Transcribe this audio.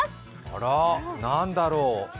あら、何だろう。